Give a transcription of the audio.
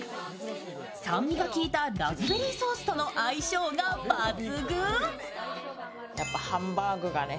酸味が効いたラズベリーソースとの相性が抜群。